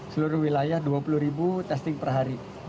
seluruh wilayah dua puluh ribu testing per hari